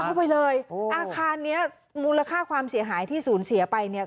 เข้าไปเลยอาคารเนี้ยมูลค่าความเสียหายที่ศูนย์เสียไปเนี่ย